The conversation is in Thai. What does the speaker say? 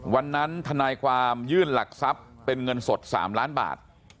ทนายความยื่นหลักทรัพย์เป็นเงินสด๓ล้านบาท